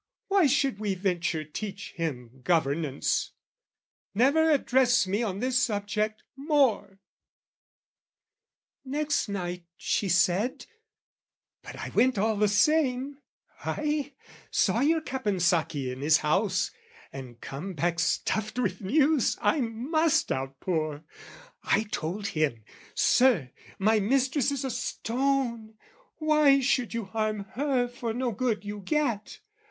"Why should we venture teach Him governance? "Never address me on this subject more!" " Ay, saw your Caponsacchi in his house, "And come back stuffed with news I must outpour. "I told him, 'Sir, my mistress is a stone: "'Why should you harm her for no good you get?